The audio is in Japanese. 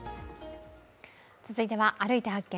続いては、「歩いて発見！